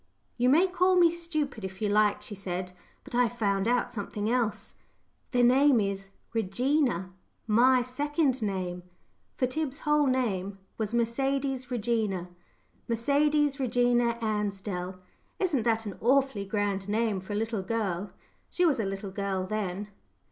"You may call me stupid, if you like," she said, "but I've found out something else. The name is 'Regina' my second name;" for Tib's whole name was Mercedes Regina. "Mercedes Regina Ansdell" isn't that an awfully grand name for a little girl? She was a little girl then.